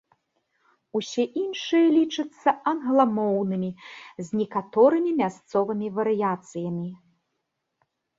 Усе іншыя лічацца англамоўнымі, з некаторымі мясцовымі варыяцыямі.